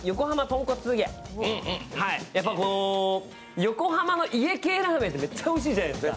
横浜の家系ラーメンってめっちゃおいしいじゃないですか。